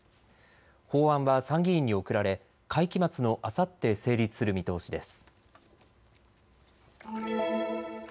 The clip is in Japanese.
法案は参議院に送られ会期末のあさって、成立する見通しです。